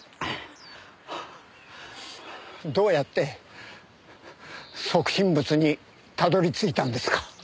どうやって即身仏にたどり着いたんですか？